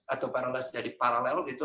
atau paralels jadi paralel gitu